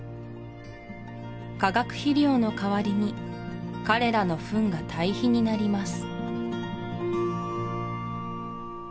化学肥料の代わりに彼らのフンが堆肥になります